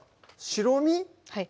白身